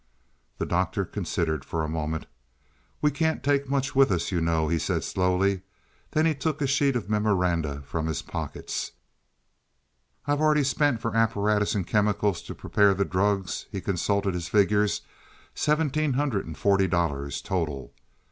The Doctor considered a moment. "We can't take much with us, you know," he said slowly. Then he took a sheet of memoranda from his pockets. "I have already spent for apparatus and chemicals to prepare the drugs" he consulted his figures "seventeen hundred and forty dollars, total.